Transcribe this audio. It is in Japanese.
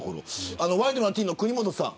ワイドナティーンの国本さん。